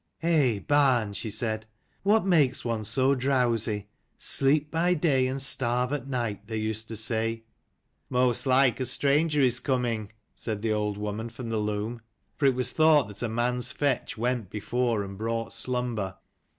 "Eh, barn," she said, "what makes one so drowsy ? sleep by day and starve at night, they used to say." " Most like a stranger is coming," said the old woman from the loom. For it was thought that a man's fetch went before and brought slumber.